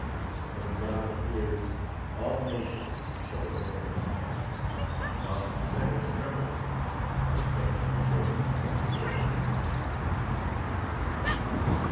When God appears. All nations shall adore him ; Whilst sinners tremble. Saints rejoice before him.